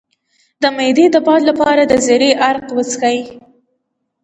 د معدې د باد لپاره د زیرې عرق وڅښئ